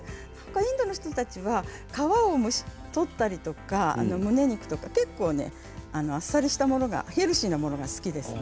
インドの人たちは皮を取ったりとか結構あっさりしたヘルシーなものが好きですね。